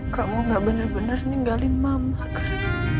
kamu gak bener bener ninggalin mama kan